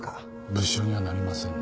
物証にはなりませんね。